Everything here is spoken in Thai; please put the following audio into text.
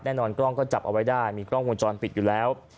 กล้องก็จับเอาไว้ได้มีกล้องวงจรปิดอยู่แล้ว